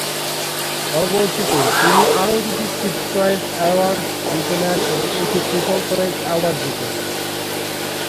পরবর্তীতে, তিনি আরও দুটি কিডস চয়েস অ্যাওয়ার্ডস জিতে নেন এবং একটি পিপলস চয়েস অ্যাওয়ার্ড জিতেন।